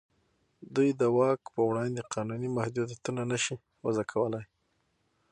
دوی د واک په وړاندې قانوني محدودیتونه نه شي وضع کولای.